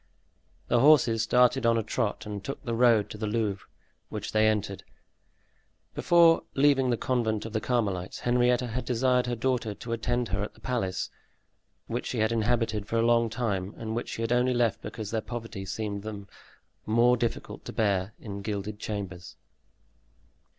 The horses started on a trot and took the road to the Louvre, which they entered. Before leaving the convent of the Carmelites, Henrietta had desired her daughter to attend her at the palace, which she had inhabited for a long time and which she had only left because their poverty seemed to them more difficult to bear in gilded chambers.